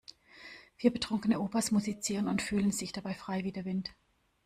Vier betrunkene Opas musizieren und fühlen sich dabei frei wie der Wind.